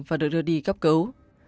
và được đưa đi cấp cứu